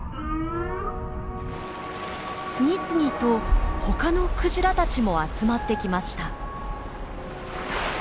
次々とほかのクジラたちも集まってきました。